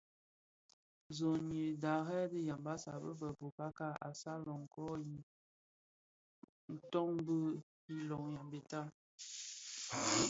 Zonйyi dharèn dhi Yambassa be a bokaka assalaKon=ňyi toň bil iloň Yambéta.